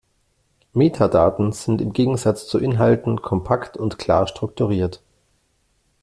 Metadaten sind im Gegensatz zu Inhalten kompakt und klar strukturiert.